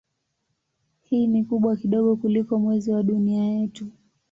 Hii ni kubwa kidogo kuliko Mwezi wa Dunia yetu.